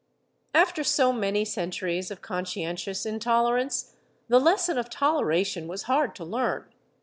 After so many centuries of conscientious intolerance, the lesson of toleration was hard to learn.